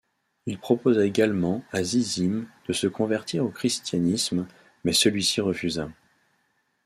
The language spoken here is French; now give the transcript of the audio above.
Il proposa également à Zizim de se convertir au christianisme, mais celui-ci refusa.